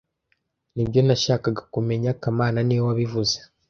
Nibyo nashakaga kumenya kamana niwe wabivuze